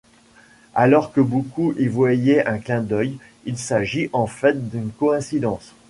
Alors que beaucoup y voyaient un clin d’œil, il s'agit en fait d'une coïncidence.